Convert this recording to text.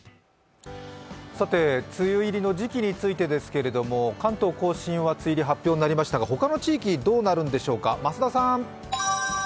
梅雨入りの時期についてですけど関東甲信は梅雨入り発表になりましたが他の地域はどうなるんでしょうか。